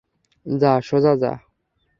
যা, সোজা যা।